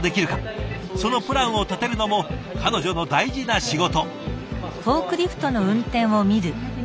そのプランを立てるのも彼女の大事な仕事。